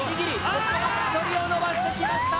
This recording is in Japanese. ここまで距離を伸ばしてきました。